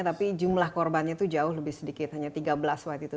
tapi jumlah korbannya itu jauh lebih sedikit hanya tiga belas waktu itu